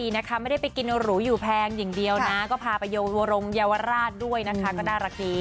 กินข้าวมื้อหนึ่งก็ยังดีเขาก็เลยอยากลงรูปถ่ายอะไรอย่างนี้